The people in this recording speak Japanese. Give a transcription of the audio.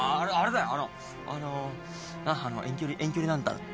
あのあのうなっ遠距離遠距離なんたら。